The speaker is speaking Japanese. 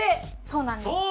そうなんです。